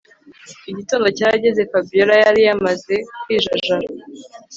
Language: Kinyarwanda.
Igitondo cyarageze Fabiora yari yamaze kwijajara